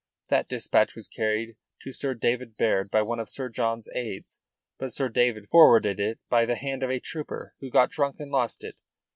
That dispatch was carried to Sir David Baird by one of Sir John's aides, but Sir David forwarded it by the hand of a trooper who got drunk and lost it.